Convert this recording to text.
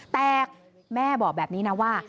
แต่แม่บอกแบบนี้นะว่า